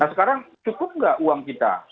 nah sekarang cukup nggak uang kita